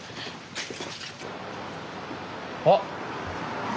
あっ！